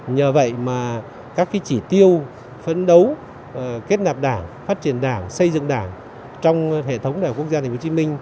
nhờ vậy mà các chỉ tiêu phấn đấu kết nạp đảng phát triển đảng xây dựng đảng trong hệ thống đại học quốc gia tp hcm